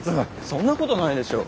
そんなことないでしょ。